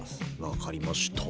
分かりました。